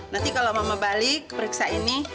nanti kalau mama balik periksa ini